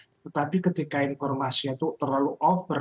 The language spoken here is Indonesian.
tetapi ketika informasinya itu terlalu over